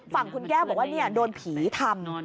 ฝั่งคุณแก้วบอกว่าโดนผีทำ